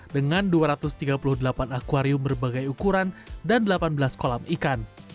dengan dua ratus tiga puluh delapan akwarium berbagai ukuran dan delapan belas kolam ikan